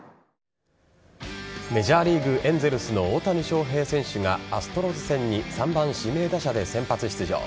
メジャーリーグエンゼルスの大谷翔平選手がアストロズ戦に３番・指名打者で先発出場。